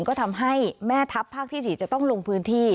ก็ทำให้แม่ทัพภาคที่๔จะต้องลงพื้นที่